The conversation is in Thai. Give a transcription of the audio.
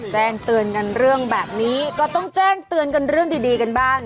แจ้งเตือนกันเรื่องแบบนี้ก็ต้องแจ้งเตือนกันเรื่องดีกันบ้าง